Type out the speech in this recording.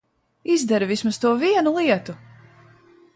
Izdari vismaz to vienu lietu!